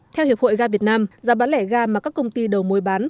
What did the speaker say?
theo hiệp hội ga việt nam giá bán lẻ ga mà các công ty đầu mối bán